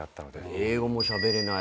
英語もしゃべれない。